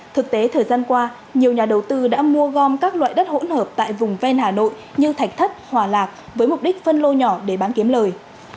thực tế thời gian qua nhiều nhà đầu tư đã mua gom các loại đất hỗn hợp tại vùng ven hà nội như thạch thất hòa lạc với mục đích phân lô nhỏ để bán kiếm lời